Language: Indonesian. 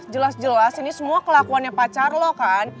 jelas jelas ini semua kelakuannya pacar lo kan